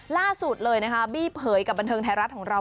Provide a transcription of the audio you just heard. ล่าสุดเลยนะคะบี้เผยกับบันเทิงไทยรัฐของเรา